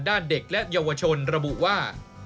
เด็กและเยาวชนระบุว่า